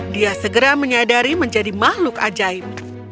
dia segera menyadari menjadi makhluk ajaib